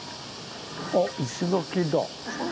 あ石垣だ。